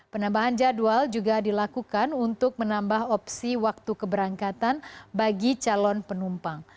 penambahan jadwal juga dilakukan untuk menambah opsi waktu keberangkatan bagi calon penumpang